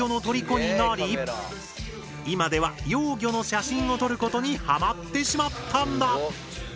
今では幼魚の写真を撮ることにハマってしまったんだ。